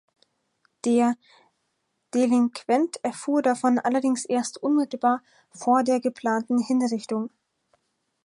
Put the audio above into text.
Der Delinquent erfuhr davon allerdings erst unmittelbar vor der geplanten Hinrichtung.